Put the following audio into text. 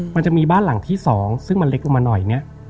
มันจะมีบ้านร้างที่๒ซึ่งมันเล็กลงมาหน่อย